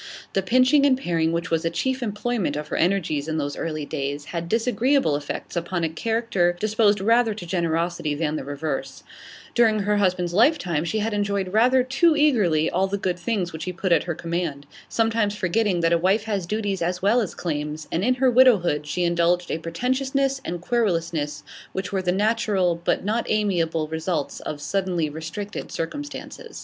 The pinching and paring which was a chief employment of her energies in those early days had disagreeable effects upon a character disposed rather to generosity than the reverse; during her husband's lifetime she had enjoyed rather too eagerly all the good things which he put at her command, sometimes forgetting that a wife has duties as well as claims, and in her widowhood she indulged a pretentiousness and querulousness which were the natural, but not amiable, results of suddenly restricted circumstances.